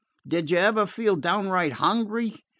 "Did you ever feel downright hungry?